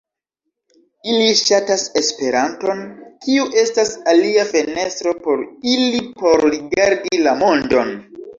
Ili ŝatas Esperanton, kiu estas alia fenestro por ili por rigardi la mondon.